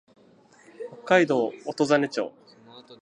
北海道音更町